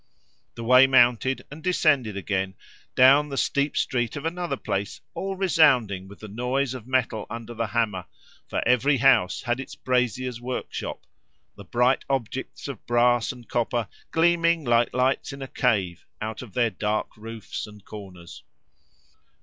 The way mounted, and descended again, down the steep street of another place, all resounding with the noise of metal under the hammer; for every house had its brazier's workshop, the bright objects of brass and copper gleaming, like lights in a cave, out of their dark roofs and corners.